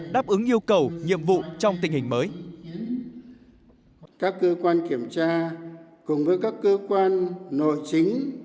đáp ứng yêu cầu nhiệm vụ trong tình hình mới các cơ quan kiểm tra cùng với các cơ quan nội chính